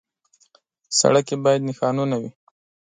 سړک کې باید نښانونه وي.